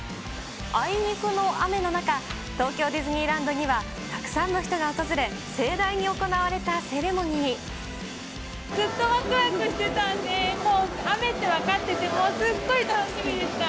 あいにくの雨の中、東京ディズニーランドには、たくさんの人が訪れ、ずっとわくわくしてたんで、もう、雨って分かってても、すっごい楽しみでした。